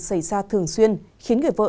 xảy ra thường xuyên khiến người vợ